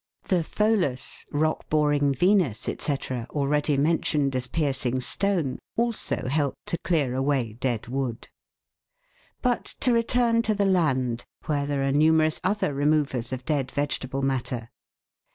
The pholas, rock boring Venus, &c., already mentioned as piercing stone, also help to clear away dead wood. But to return to the land, where there are numerous other removers of dead vegetable matter.